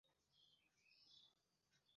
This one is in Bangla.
মদ পছন্দ হয়নি?